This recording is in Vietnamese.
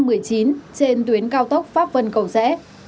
km hai trăm một mươi chín trên tuyến cao tốc pháp vân cầu rẽ